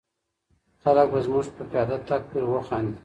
خلک به زموږ په پیاده تګ پورې وخاندي.